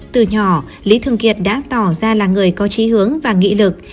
từ nhỏ lý thương kiệt đã tỏ ra là người có trí hướng và nghị lực